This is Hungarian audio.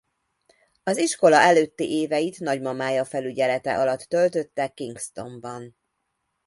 Az iskola előtti éveit nagymamája felügyelete alatt töltötte Kingstonban.